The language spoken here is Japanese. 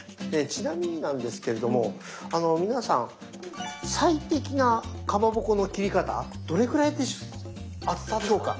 ちなみになんですけれどもあの皆さん最適なかまぼこの切り方どれくらいでしょうか？